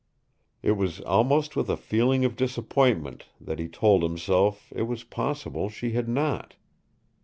It was almost with a feeling of disappointment that he told himself it was possible she had not.